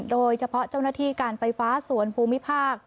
โดยเฉพาะเจ้าหน้าที่การไฟฟ้าส่วนภูมิภาค